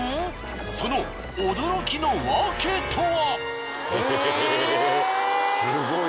その驚きのワケとは？